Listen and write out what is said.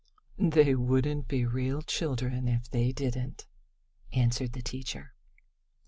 "They wouldn't be real children if they didn't," answered the teacher.